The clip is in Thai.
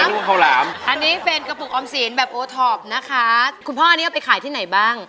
ลูกข้าวหลามอันนี้เป็นกระปุกออมสินแบบโอท็อปนะคะคุณพ่อนี้เอาไปขายที่ไหนบ้าง